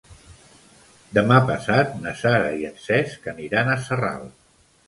Demà passat na Sara i en Cesc aniran a Sarral.